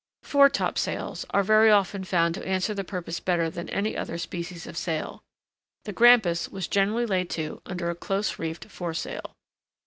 Foretopsails are very often found to answer the purpose better than any other species of sail. The Grampus was generally laid to under a close reefed foresail.